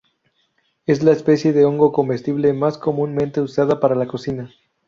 Es la especie de hongo comestible más comúnmente usada para la cocina.